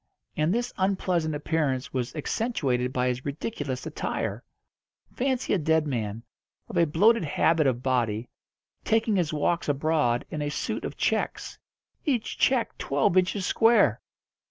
And this unpleasant appearance was accentuated by his ridiculous attire. Fancy a dead man, of a bloated habit of body, taking his walks abroad in a suit of checks each check twelve inches square!